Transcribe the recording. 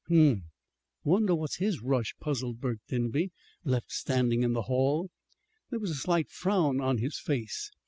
"Hm m! Wonder what's his rush," puzzled Burke Denby, left standing in the hall. There was a slight frown on his face.